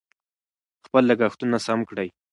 خپل لګښتونه سم کړئ.